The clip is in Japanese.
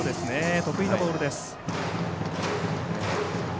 得意のボールです。